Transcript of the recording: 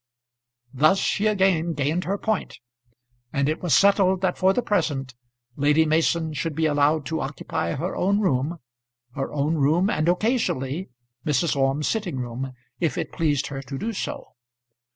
Thus she again gained her point, and it was settled that for the present Lady Mason should be allowed to occupy her own room, her own room, and occasionally Mrs. Orme's sitting room, if it pleased her to do so.